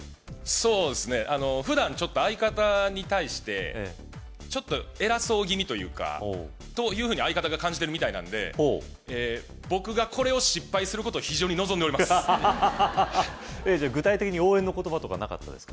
そうですねふだんちょっと相方に対してちょっと偉そう気味というかというふうに相方が感じてるみたいなんで僕がこれを失敗することを非常に望んでおりますじゃあ具体的に応援の言葉とかなかったですか？